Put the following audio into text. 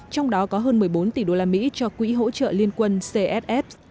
trong đó có hơn một mươi bốn tỷ đô la mỹ cho quỹ hỗ trợ liên quân csf